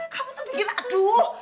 kamu tuh bikin aduh